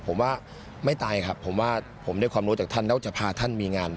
ผมว่าไม่ตายครับผมว่าผมได้ความรู้จากท่านแล้วจะพาท่านมีงาน